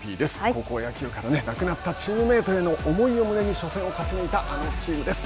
高校野球から、亡くなったチームメートへの思いを胸に初戦を勝ち抜いたあのチームです。